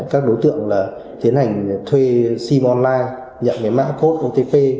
các đối tượng là tiến hành thuê sim online nhận cái mã code otp